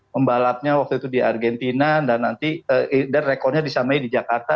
pembalapnya waktu itu di argentina dan nanti dan rekornya disamai di jakarta